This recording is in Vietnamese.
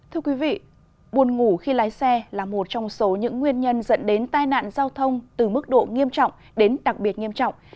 thưa quý vị buồn ngủ khi lái xe là một trong số những nguyên nhân dẫn đến tai nạn giao thông từ mức độ nghiêm trọng đến đặc biệt nghiêm trọng